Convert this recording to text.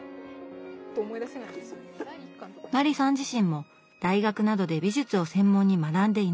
麻里さん自身も大学などで美術を専門に学んでいないそう。